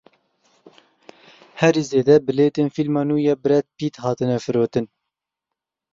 Herî zêde bilêtên fîlma nû ya Brad Pitt hatine firotin.